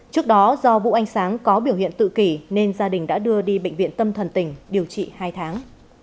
trước đó do vũ anh sáng có biểu hiện tự kỷ nên gia đình đã đưa đi bệnh viện tâm thần tỉnh điều trị hai tháng